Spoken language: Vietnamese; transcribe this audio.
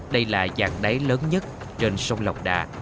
đây là giạc đáy lớn nhất trên sông lòng đà